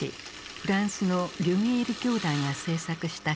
フランスのリュミエール兄弟が製作した